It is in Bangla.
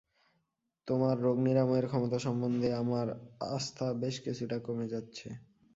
তোমার রোগ-নিরাময়ের ক্ষমতা সম্বন্ধে আমার আস্থা বেশ কিছুটা কমে যাচ্ছে।